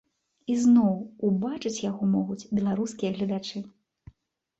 Ізноў ўбачыць яго могуць беларускія гледачы.